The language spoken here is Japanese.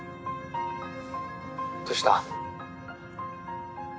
☎どうした？